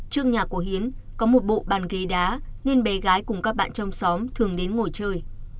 trước nhà của hiến có một bộ bàn ghế đá nên bé gái cùng các bạn trong xóm thường đến ngồi chơi